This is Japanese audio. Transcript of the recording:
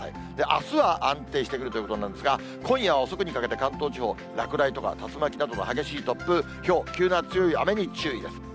あすは安定してくるということなんですが、今夜は遅くにかけて関東地方、落雷とか竜巻などの激しい突風、ひょう、急な強い雨に注意です。